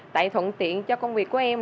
tại thuận tiện cho công việc của em nè